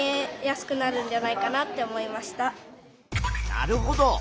なるほど。